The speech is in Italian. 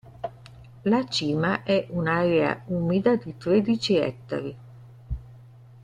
La cima è un'area umida di tredici ettari.